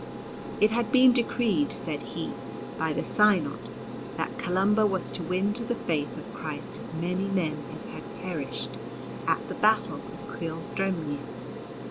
It had been decreed, said he, by the Synod that Columba was to win to the faith of Christ as many men as had perished at the battle of Cuil dreimhne.